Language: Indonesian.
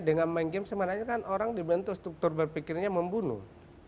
dengan main game sebenarnya kan orang dibentuk struktur berpikirnya membunuh